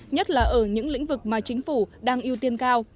nhất là ở những lĩnh vực mà chính phủ đang ưu tiên cao